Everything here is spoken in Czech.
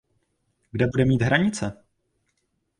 Kde bude mít hranice?